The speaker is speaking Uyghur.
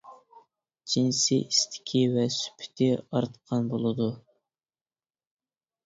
جىنسىي ئىستىكى ۋە سۈپىتى ئارتقان بولىدۇ.